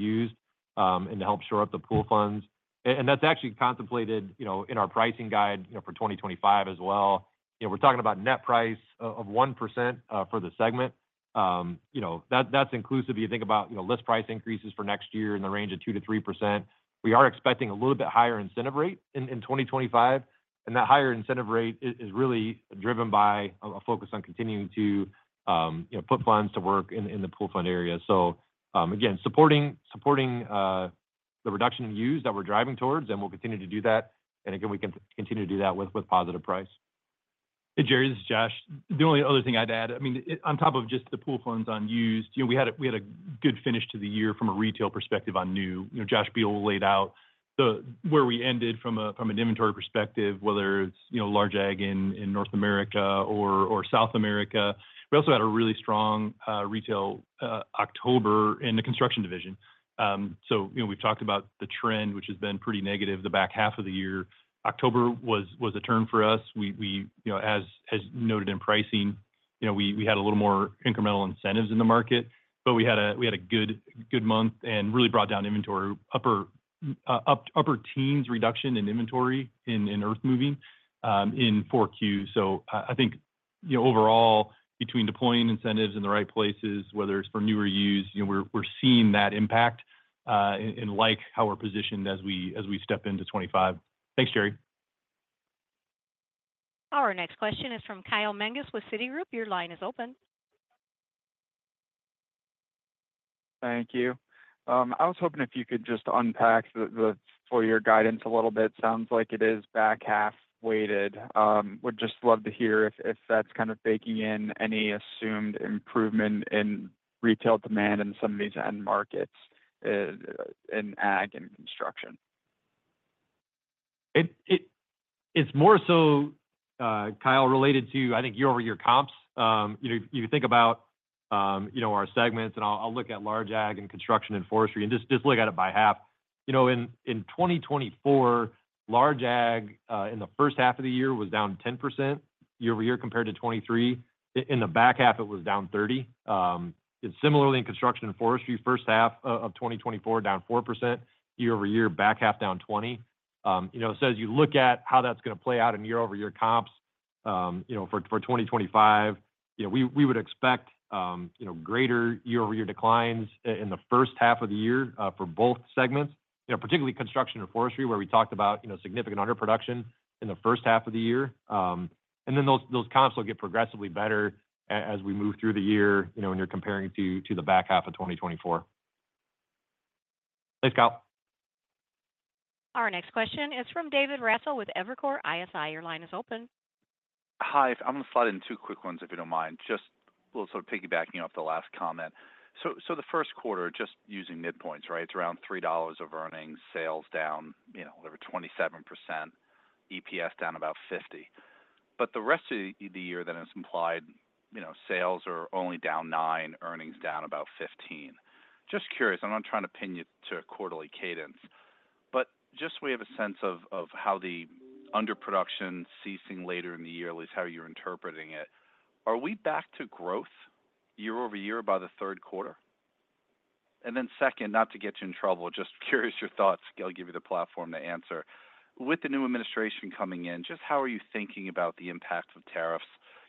used and to help shore up the pool funds, and that's actually contemplated in our pricing guide for 2025 as well. We're talking about net price of 1% for the segment. That's inclusive if you think about list price increases for next year in the range of 2%-3%. We are expecting a little bit higher incentive rate in 2025, and that higher incentive rate is really driven by a focus on continuing to put funds to work in the pool fund area, so again, supporting the reduction in used that we're driving towards, and we'll continue to do that, and again, we can continue to do that with positive price. Hey, Jerry, this is Josh. The only other thing I'd add, I mean, on top of just the pool funds on used, we had a good finish to the year from a retail perspective on new. Josh Beal laid out where we ended from an inventory perspective, whether it's large ag in North America or South America. We also had a really strong retail October in the construction division. So we've talked about the trend, which has been pretty negative the back half of the year. October was a turn for us. As noted in pricing, we had a little more incremental incentives in the market, but we had a good month and really brought down inventory, upper teens reduction in inventory in earthmoving in 4Q. So I think overall, between deploying incentives in the right places, whether it's for new or used, we're seeing that impact and like how we're positioned as we step into 2025. Thanks, Jerry. Our next question is from Kyle Menges with Citigroup. Your line is open. Thank you. I was hoping if you could just unpack the four-year guidance a little bit. Sounds like it is back half weighted. Would just love to hear if that's kind of baking in any assumed improvement in retail demand in some of these end markets in ag and construction. It's more so, Kyle, related to, I think, year-over-year comps. You think about our segments, and I'll look at large ag and construction and forestry and just look at it by half. In 2024, large ag in the first half of the year was down 10% year-over-year compared to 2023. In the back half, it was down 30%. Similarly, in construction and forestry, first half of 2024, down 4% year-over-year, back half down 20%. So as you look at how that's going to play out in year-over-year comps for 2025, we would expect greater year-over-year declines in the first half of the year for both segments, particularly construction and forestry, where we talked about significant underproduction in the first half of the year. And then those comps will get progressively better as we move through the year when you're comparing it to the back half of 2024. Thanks, Kyle. Our next question is from David Raso with Evercore ISI. Your line is open. Hi. I'm going to slide in two quick ones, if you don't mind. Just a little sort of piggybacking off the last comment. So the first quarter, just using midpoints, right? It's around $3 of earnings, sales down, whatever, 27%, EPS down about 50%. But the rest of the year that it's implied, sales are only down 9%, earnings down about 15%. Just curious. I'm not trying to pin you to a quarterly cadence. But just so we have a sense of how the underproduction ceasing later in the year, at least how you're interpreting it, are we back to growth year-over-year by the third quarter? And then second, not to get you in trouble, just curious your thoughts. I'll give you the platform to answer. With the new administration coming in, just how are you thinking about the impact of tariffs?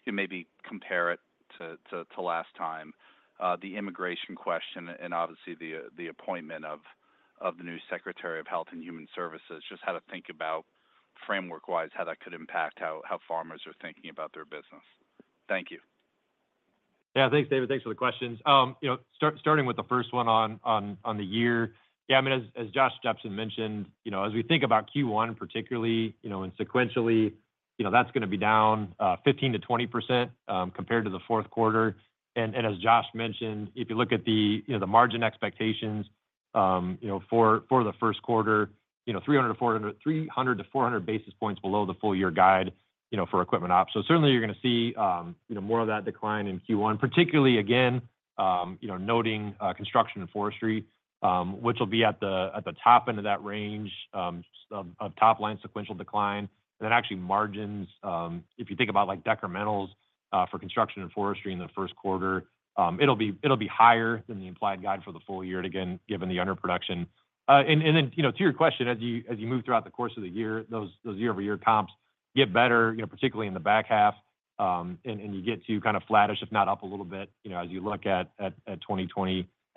Maybe compare it to last time. The immigration question and obviously the appointment of the new Secretary of Health and Human Services, just how to think about framework-wise how that could impact how farmers are thinking about their business. Thank you. Yeah. Thanks, David. Thanks for the questions. Starting with the first one on the year, yeah, I mean, as Josh Jepsen mentioned, as we think about Q1, particularly and sequentially, that's going to be down 15%-20% compared to the fourth quarter, and as Josh mentioned, if you look at the margin expectations for the first quarter, 300-400 basis points below the full-year guide for equipment ops. So certainly, you're going to see more of that decline in Q1, particularly, again, noting construction and forestry, which will be at the top end of that range of top-line sequential decline, and then actually, margins, if you think about decrementals for construction and forestry in the first quarter, it'll be higher than the implied guide for the full year, again, given the underproduction. And then to your question, as you move throughout the course of the year, those year-over-year comps get better, particularly in the back half, and you get to kind of flattish, if not up a little bit, as you look at Q3,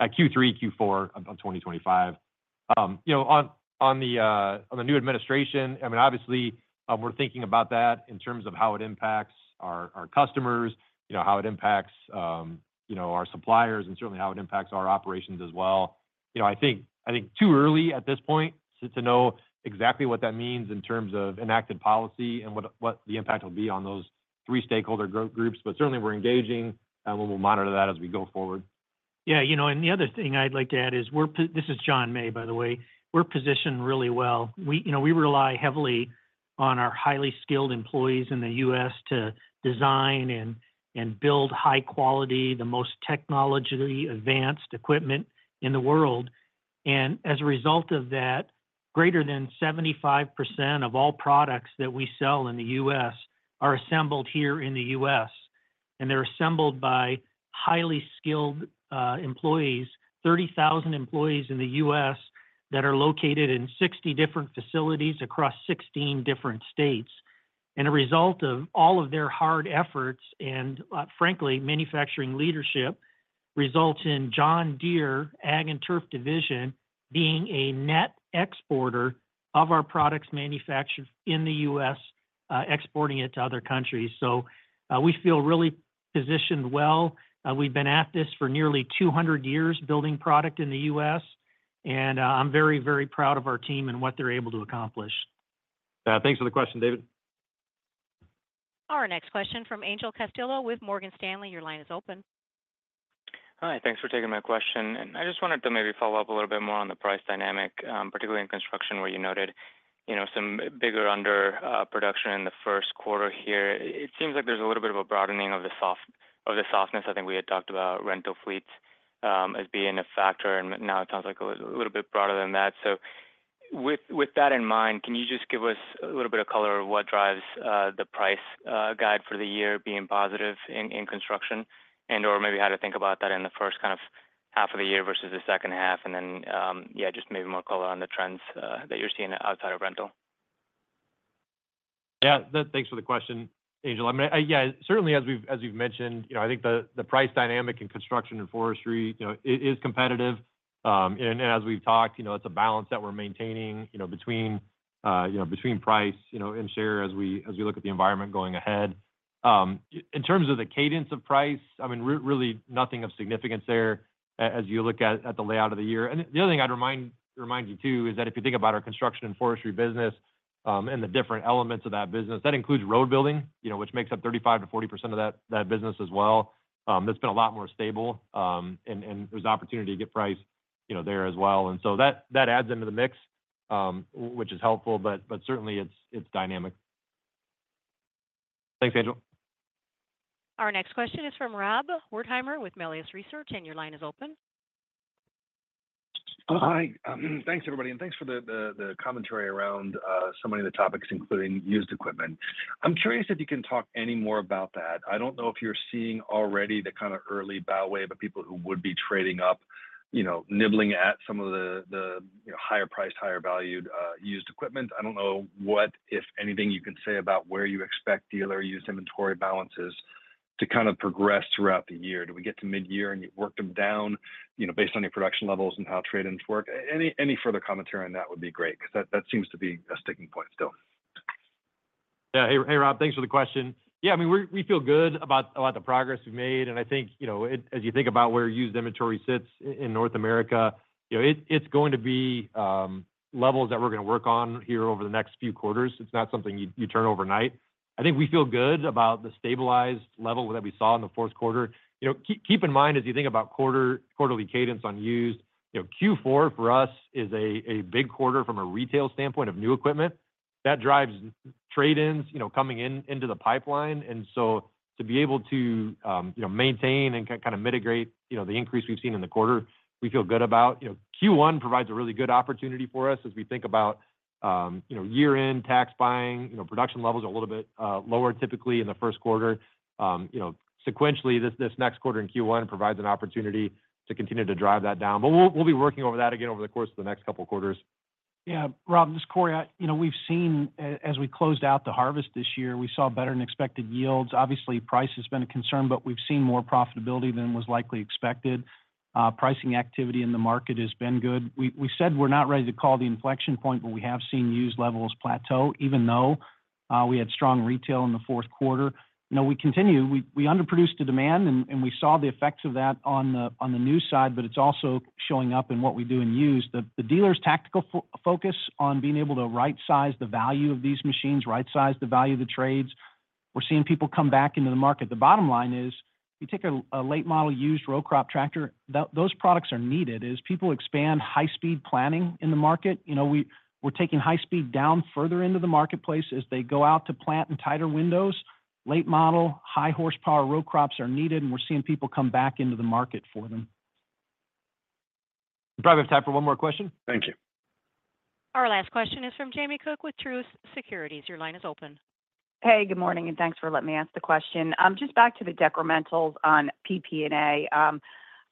Q4 of 2025. On the new administration, I mean, obviously, we're thinking about that in terms of how it impacts our customers, how it impacts our suppliers, and certainly how it impacts our operations as well. I think too early at this point to know exactly what that means in terms of enacted policy and what the impact will be on those three stakeholder groups. But certainly, we're engaging, and we'll monitor that as we go forward. Yeah. And the other thing I'd like to add is this is John May, by the way. We're positioned really well. We rely heavily on our highly skilled employees in the U.S. to design and build high-quality, the most technology-advanced equipment in the world. And as a result of that, greater than 75% of all products that we sell in the U.S. are assembled here in the U.S. And they're assembled by highly skilled employees, 30,000 employees in the U.S. that are located in 60 different facilities across 16 different states. And a result of all of their hard efforts and, frankly, manufacturing leadership results in John Deere Ag and Turf Division being a net exporter of our products manufactured in the U.S., exporting it to other countries. So we feel really positioned well. We've been at this for nearly 200 years building product in the U.S. And I'm very, very proud of our team and what they're able to accomplish. Yeah. Thanks for the question, David. Our next question from Angel Castillo with Morgan Stanley. Your line is open. Hi. Thanks for taking my question. And I just wanted to maybe follow up a little bit more on the price dynamic, particularly in construction, where you noted some bigger underproduction in the first quarter here. It seems like there's a little bit of a broadening of the softness. I think we had talked about rental fleets as being a factor. And now it sounds like a little bit broader than that. So with that in mind, can you just give us a little bit of color of what drives the price guide for the year being positive in construction and/or maybe how to think about that in the first kind of half of the year versus the second half? And then, yeah, just maybe more color on the trends that you're seeing outside of rental. Yeah. Thanks for the question, Angel. I mean, yeah, certainly, as we've mentioned, I think the price dynamic in construction and forestry is competitive. And as we've talked, it's a balance that we're maintaining between price and share as we look at the environment going ahead. In terms of the cadence of price, I mean, really nothing of significance there as you look at the layout of the year. And the other thing I'd remind you too is that if you think about our construction and forestry business and the different elements of that business, that includes road building, which makes up 35%-40% of that business as well. That's been a lot more stable. And there's opportunity to get price there as well. And so that adds into the mix, which is helpful, but certainly, it's dynamic. Thanks, Angel. Our next question is from Rob Wertheimer with Melius Research, and your line is open. Hi. Thanks, everybody. And thanks for the commentary around so many of the topics, including used equipment. I'm curious if you can talk any more about that. I don't know if you're seeing already the kind of early bow wave of people who would be trading up, nibbling at some of the higher-priced, higher-valued used equipment. I don't know what, if anything, you can say about where you expect dealer used inventory balances to kind of progress throughout the year. Do we get to mid-year and you've worked them down based on your production levels and how trade-ins work? Any further commentary on that would be great because that seems to be a sticking point still. Yeah. Hey, Rob, thanks for the question. Yeah. I mean, we feel good about the progress we've made. I think as you think about where used inventory sits in North America, it's going to be levels that we're going to work on here over the next few quarters. It's not something you turn overnight. I think we feel good about the stabilized level that we saw in the fourth quarter. Keep in mind as you think about quarterly cadence on used, Q4 for us is a big quarter from a retail standpoint of new equipment. That drives trade-ins coming into the pipeline. So to be able to maintain and kind of mitigate the increase we've seen in the quarter, we feel good about. Q1 provides a really good opportunity for us as we think about year-end tax buying. Production levels are a little bit lower typically in the first quarter. Sequentially, this next quarter in Q1 provides an opportunity to continue to drive that down. But we'll be working over that again over the course of the next couple of quarters. Yeah. Rob, just call out. We've seen, as we closed out the harvest this year, we saw better than expected yields. Obviously, price has been a concern, but we've seen more profitability than was likely expected. Pricing activity in the market has been good. We said we're not ready to call the inflection point, but we have seen used levels plateau even though we had strong retail in the fourth quarter. We continue. We underproduced the demand, and we saw the effects of that on the new side, but it's also showing up in what we do in used. The dealer's tactical focus on being able to right-size the value of these machines, right-size the value of the trades. We're seeing people come back into the market. The bottom line is if you take a late-model used row crop tractor, those products are needed as people expand high-speed planting in the market. We're taking high-speed down further into the marketplace as they go out to plant in tighter windows. Late-model, high-horsepower row crops are needed, and we're seeing people come back into the market for them. Probably have time for one more question. Thank you. Our last question is from Jamie Cook with Truist Securities. Your line is open. Hey, good morning, and thanks for letting me ask the question. Just back to the decrementals on PP&A,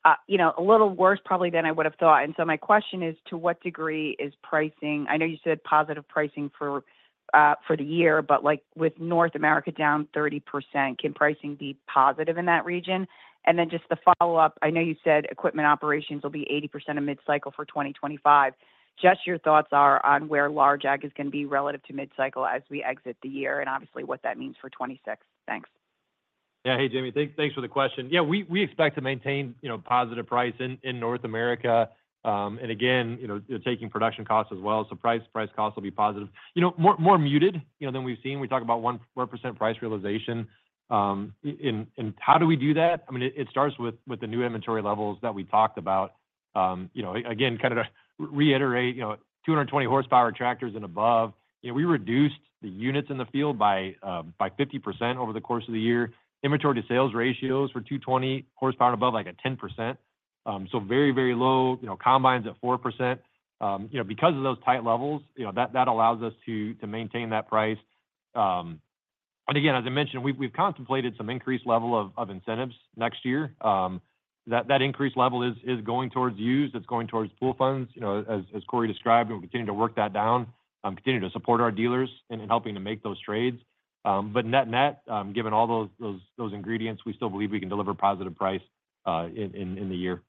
a little worse probably than I would have thought. And so my question is, to what degree is pricing, I know you said positive pricing for the year, but with North America down 30%, can pricing be positive in that region? And then just the follow-up. I know you said equipment operations will be 80% of mid-cycle for 2025. Just your thoughts are on where large ag is going to be relative to mid-cycle as we exit the year and obviously what that means for 2026. Thanks. Yeah. Hey, Jamie, thanks for the question. Yeah, we expect to maintain positive price in North America. And again, you're taking production costs as well. So price costs will be positive. More muted than we've seen. We talk about 1% price realization. And how do we do that? I mean, it starts with the new inventory levels that we talked about. Again, kind of to reiterate, 220 horsepower tractors and above. We reduced the units in the field by 50% over the course of the year. Inventory to sales ratios for 220 horsepower and above, like a 10%. So very, very low. Combines at 4%. Because of those tight levels, that allows us to maintain that price. And again, as I mentioned, we've contemplated some increased level of incentives next year. That increased level is going towards used. It's going towards pool funds, as Cory described. We'll continue to work that down, continue to support our dealers in helping to make those trades. But net-net, given all those ingredients, we still believe we can deliver positive price in the year.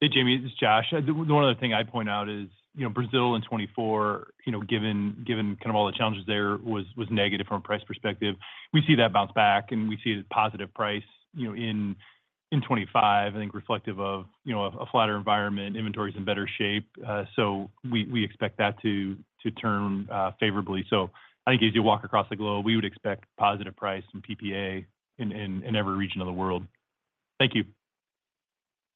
Hey, Jamie, this is Josh. One other thing I'd point out is Brazil in 2024, given kind of all the challenges there, was negative from a price perspective. We see that bounce back, and we see a positive price in 2025, I think, reflective of a flatter environment, inventories in better shape. So we expect that to turn favorably. So I think as you walk across the globe, we would expect positive price and PPA in every region of the world. Thank you.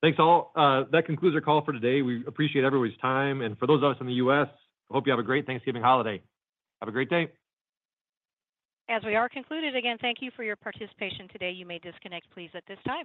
Thanks all. That concludes our call for today. We appreciate everybody's time. And for those of us in the U.S., hope you have a great Thanksgiving holiday. Have a great day. As we are concluded, again, thank you for your participation today. You may disconnect, please, at this time.